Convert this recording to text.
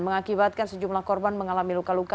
mengakibatkan sejumlah korban mengalami luka luka